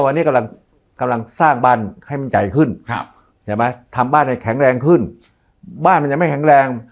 ให้มันใหญ่ขึ้นเห็นไหมทำบ้านให้แข็งแรงขึ้นบ้านมันยังไม่แข็งแรง